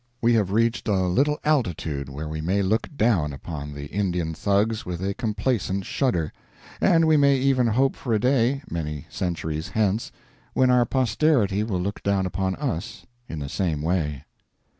We have reached a little altitude where we may look down upon the Indian Thugs with a complacent shudder; and we may even hope for a day, many centuries hence, when our posterity will look down upon us in the same way.